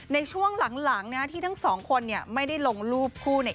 ในช่วงหลังนะที่ทั้งสองคนเนี่ยไม่ได้ลงรูปคู่เนี่ย